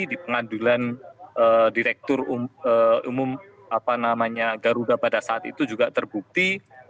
di pengadilan direktur umum garuda pada saat itu juga terbukti